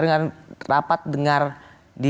dengan rapat dengar di